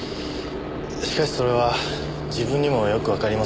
しかしそれは自分にもよくわかりません。